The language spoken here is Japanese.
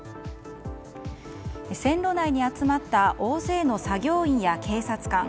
線路内に集まった大勢の作業員や警察官。